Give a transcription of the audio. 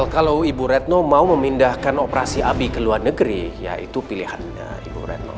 kalau ibu retno mau memindahkan operasi abi ke luar negeri ya itu pilihannya ibu retno